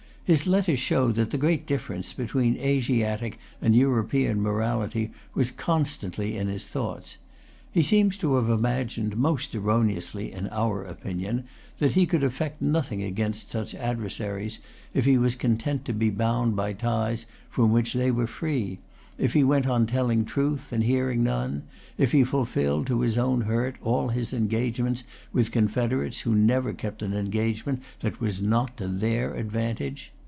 His letters show that the great difference between Asiatic and European morality was constantly in his thoughts. He seems to have imagined, most erroneously in our opinion, that he could effect nothing against such adversaries, if he was content to be bound by ties from which they were free, if he went on telling truth, and hearing none, if he fulfilled, to his own hurt, all his engagements with confederates who never kept an engagement that was not to their advantage.